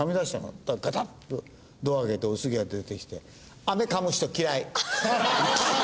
そしたらガタッてドア開けておすぎが出てきて「飴かむ人嫌い」。